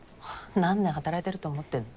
何年働いてると思ってんの。